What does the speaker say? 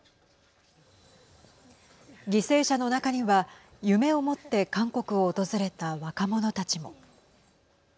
犠牲者の中には夢を持って韓国を訪れた若者たちも。